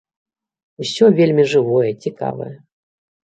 Усё вельмі жывое, цікавае.